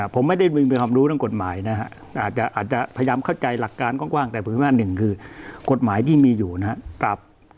ผมไม่ได้ใช้คำดูกเรื่องกฎหมายนะครับ